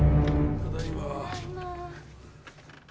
ただいま。